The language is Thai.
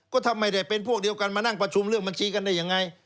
ก็ถ้าไม่ได้เป็นพวกเดียวกันมานั่งประชุมเรื่องบัญชีกันได้ยังไง